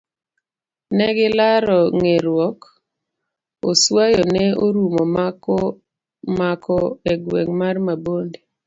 Negilaro nge'ruok. oswayo ne orumo mako e gweng' mar Mabonde.